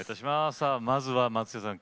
さあまずは松下さん